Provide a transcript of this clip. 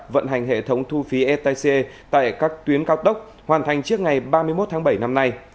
vận hành hệ thống thu phí etc tại các tuyến cao tốc hoàn thành trước ngày ba mươi một tháng bảy năm nay